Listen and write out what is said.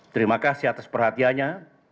terima kasih atas perhatianya